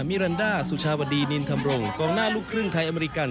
มิรันดาสุชาวดีนินธรรมรงกองหน้าลูกครึ่งไทยอเมริกัน